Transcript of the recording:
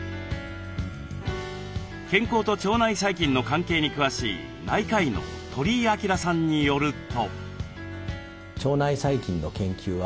健康と腸内細菌の関係に詳しい内科医の鳥居明さんによると。